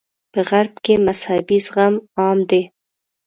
په غرب کې مذهبي زغم عام دی.